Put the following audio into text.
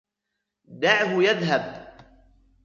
دَعَهُ يذهب.